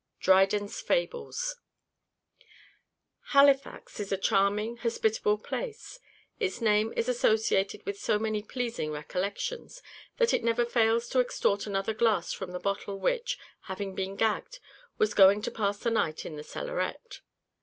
Dryden's "Fables." Halifax is a charming, hospitable place: its name is associated with so many pleasing recollections, that it never fails to extort another glass from the bottle which, having been gagged, was going to pass the night in the cellaret.